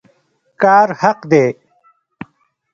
کار حق دی